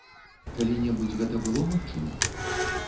Калі-небудзь гэта было магчыма?